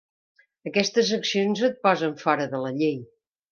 Aquestes accions et posen fora de la llei.